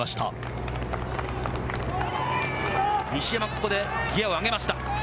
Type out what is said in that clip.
ここでギアを上げました。